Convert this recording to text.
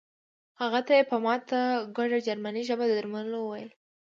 هغه ته یې په ماته ګوډه جرمني ژبه د درملو وویل